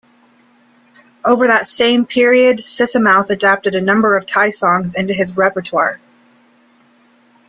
Over that same period, Sisamouth adapted a number of Thai songs into his repertoire.